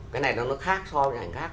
cái này nó khác so với hình ảnh khác